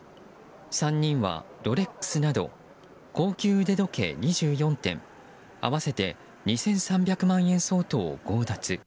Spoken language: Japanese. ３人はロレックスなど高級腕時計２４点合わせて２３００万円相当を強奪。